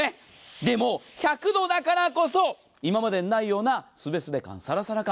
でも１００度だからこそ今までにまいようなすべすべ感、サラサラ感。